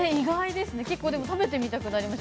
結構食べてみたくなりました。